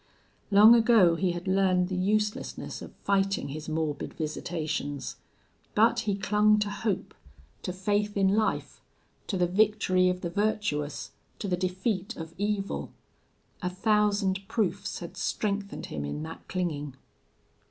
Long ago he had learned the uselessness of fighting his morbid visitations. But he clung to hope, to faith in life, to the victory of the virtuous, to the defeat of evil. A thousand proofs had strengthened him in that clinging.